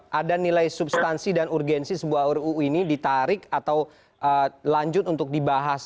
karena ada nilai substansi dan urgensi sebuah ruu ini ditarik atau lanjut untuk dibahas